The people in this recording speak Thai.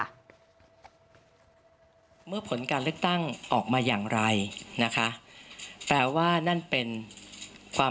และเราก็ยืนในหลักการว่า